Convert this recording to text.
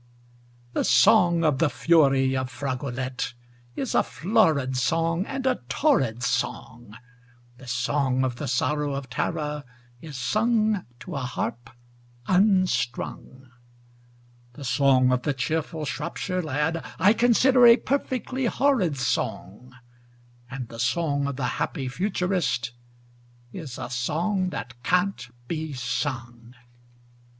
The song of the fury of Fragolette is a florid song and a torrid song, The song of the sorrow of Tara is sung to a harp unstrung, The song of the cheerful Shropshire Lad I consider a perfectly horrid song, And the song of the happy Futurist is a song that can't be sung.